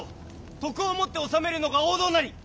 徳をもって治めるのが王道なり！